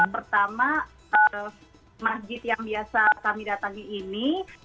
pertama masjid yang biasa kami datangi ini